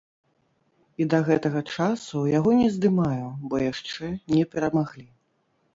І да гэтага часу яго не здымаю, бо яшчэ не перамаглі.